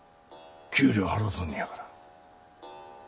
給料払うとんのやから。